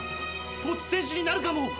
スポーツ選手になるかも。